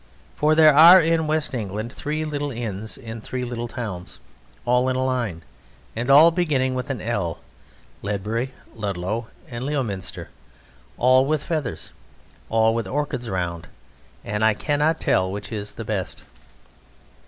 For there are in West England three little inns in three little towns, all in a line, and all beginning with an L Ledbury, Ludlow, and Leominster, all with "Feathers," all with orchards round, and I cannot tell which is the best.